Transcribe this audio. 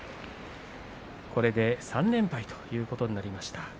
これで３連敗ということになりました。